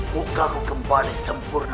muka aku kembali sempurna